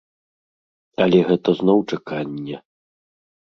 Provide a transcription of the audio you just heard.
Але гэта зноў чаканне.